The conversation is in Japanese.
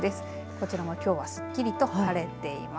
こちらもきょうはすっきりと晴れています。